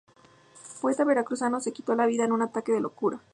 Poeta veracruzano se quita la vida en un ataque de locura.